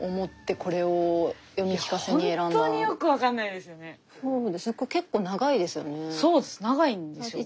これ結構長いですよね。